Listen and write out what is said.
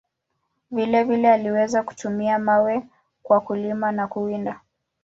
Vile vile, aliweza kutumia mawe kwa kulima na kuwinda.